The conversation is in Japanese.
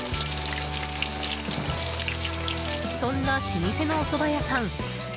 そんな老舗のおそば屋さん